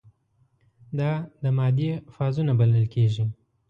دا د مادې فازونه بلل کیږي.